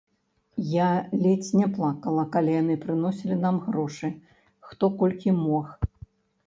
Я ледзь не плакала, калі яны прыносілі нам грошы, хто колькі мог.